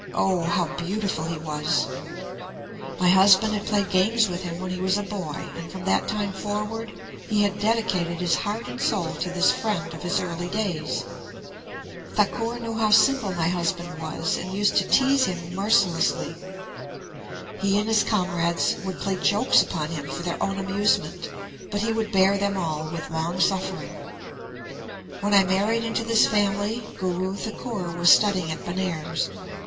Oh! how beautiful he was! "My husband had played games with him when he was a boy; and from that time forward he had dedicated his heart and soul to this friend of his early days. Thakur knew how simple my husband was, and used to tease him mercilessly. "He and his comrades would play jokes upon him for their own amusement; but he would bear them all with longsuffering. "When I married into this family, Guru Thakur was studying at Benares.